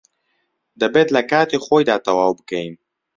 دەبێت لە کاتی خۆیدا تەواو بکەین.